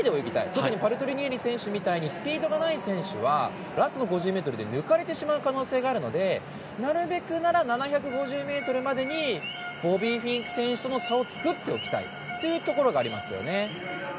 特にパルトリニエリ選手みたいにスピードのない選手はラスト５０ｍで抜かれてしまう可能性があるのでなるべくなら、７５０ｍまでにボビー・フィンク選手との差を作っておきたいところがあります。